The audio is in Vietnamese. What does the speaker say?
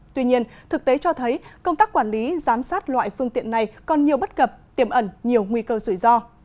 tuy nhiên thực tế cho thấy công tác quản lý giám sát loại phương tiện này còn nhiều bất cập tiềm ẩn nhiều nguy cơ rủi ro